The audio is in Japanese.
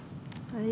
はい！